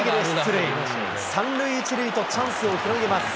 ３塁１塁とチャンスを広げます。